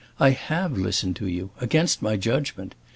I have listened to you—against my judgment.